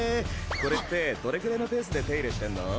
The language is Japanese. これってどれくらいのペースで手入れしてんの？